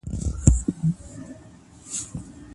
ایا ږیره لرونکي سړي ډوډۍ او مڼه راوړه؟